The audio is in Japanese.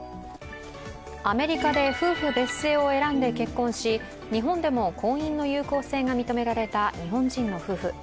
アメリカで夫婦別姓を選んで結婚し、日本でも婚姻の有効性が認められた日本人の夫婦。